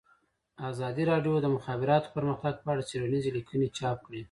ازادي راډیو د د مخابراتو پرمختګ په اړه څېړنیزې لیکنې چاپ کړي.